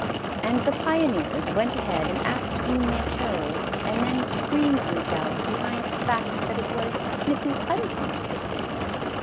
And the pioneers went ahead and asked whom they chose, and then screened them selves behind the fact that it was " Mrs. Hudson's picnic."